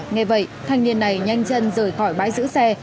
nghe vậy thanh niên này nhanh chân rời khỏi bãi giữ xe